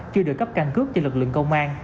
chưa được cấp căn cước cho lực lượng công an